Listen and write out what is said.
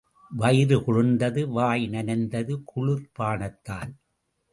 வயிறு குளிர்ந்தது, வாய் நனைந்தது குளிர் பானத்தால்.